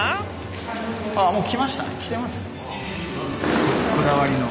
あっもう来ましたね。